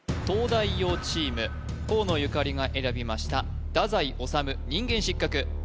東大王チーム河野ゆかりが選びました太宰治「人間失格」